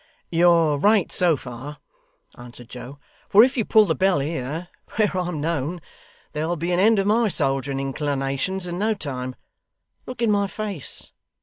'You're right so far' answered Joe, 'for if you pull the bell here, where I'm known, there'll be an end of my soldiering inclinations in no time. Look in my face.